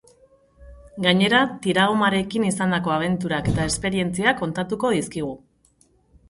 Gainera, tiragomarekin izandako abenturak eta esperientziak kontatuko dizkigu.